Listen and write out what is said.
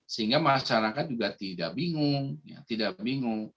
sehingga masyarakat juga tidak bingung tidak bingung